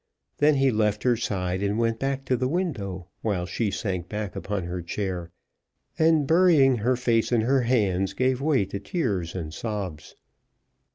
Then he left her side, and went back to the window, while she sank back upon her chair, and, burying her face in her hands, gave way to tears and sobs.